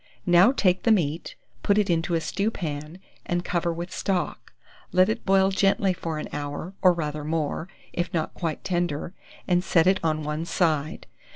Now take the meat, put it into a stewpan, and cover with stock; let it boil gently for an hour, or rather more, if not quite tender, and set it on one side.